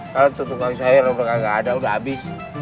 kalau tuh tukang sayur mereka gak ada udah habis